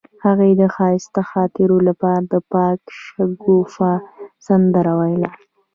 هغې د ښایسته خاطرو لپاره د پاک شګوفه سندره ویله.